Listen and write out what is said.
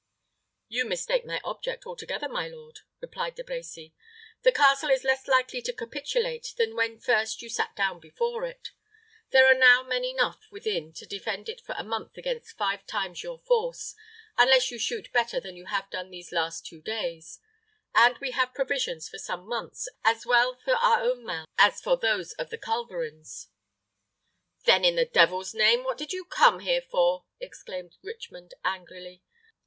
"You mistake my object altogether, my lord," replied De Brecy. "The castle is less likely to capitulate than when first you sat down before it. There are now men enough within to defend it for a month against five times your force, unless you shoot better than you have done these last two days; and we have provisions for some months, as well for our own mouths as for those of the culverins." "Then, in the devil's name, what did you come here for?" exclaimed Richmond, angrily.